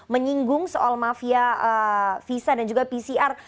menyinggung soal mafia visa dan juga pcr